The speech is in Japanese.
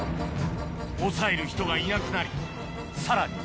押さえる人がいなくなりさらに